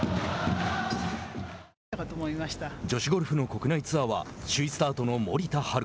女子ゴルフの国内ツアーは首位スタートの森田遥。